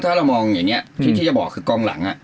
ถ้าเรามองอย่างนี้ที่จะบอกคือกองหลัง